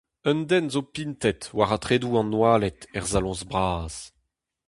Un den zo pintet war atredoù an oaled er saloñs bras.